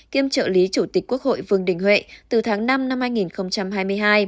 kiêm trợ lý chủ tịch quốc hội vương đình huệ từ tháng năm năm hai nghìn hai mươi hai